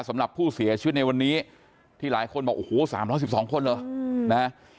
สำหรับผู้เสียชีวิตในวันนี้ที่หลายคนบอกโอ้โห๓๑๒คนเหรอนะ